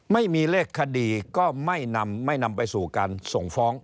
ไม่มีเลขคดีก็ไม่นำไม่นำไปสู่การส่งฟ้อง